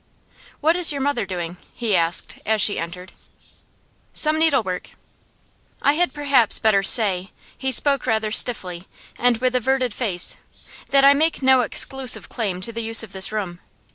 'What is your mother doing?' he asked, as she entered. 'Some needlework.' 'I had perhaps better say' he spoke rather stiffly, and with averted face 'that I make no exclusive claim to the use of this room.